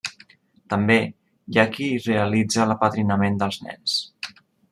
També hi ha qui realitza l'apadrinament dels nens.